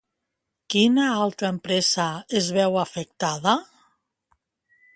Quina altra empresa es veu afectada?